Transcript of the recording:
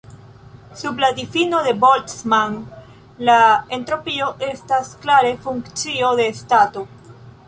Sub la difino de Boltzmann, la entropio estas klare funkcio de stato.